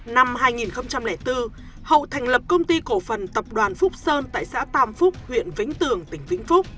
năm hai nghìn bốn hậu thành lập công ty cổ phần tập đoàn phúc sơn tại xã tam phúc huyện vĩnh tường tỉnh vĩnh phúc